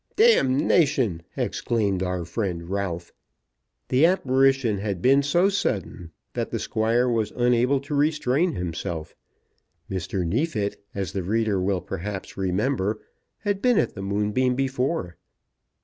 "D tion!" exclaimed our friend Ralph. The apparition had been so sudden that the Squire was unable to restrain himself. Mr. Neefit, as the reader will perhaps remember, had been at the Moonbeam before.